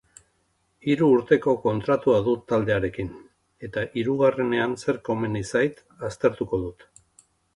Hiru urteko kontratua dut taldearekin, eta hirugarrenean zer komeni zait aztertuko dut.